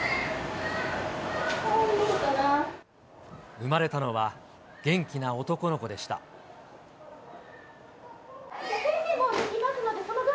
産まれたのは元気な男の子でした。